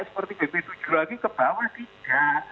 seperti bp tujuh lagi ke bawah tidak